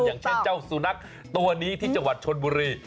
อย่างเช่นเจ้าสุนัขตัวนี้ที่จังหวัดชนบุรี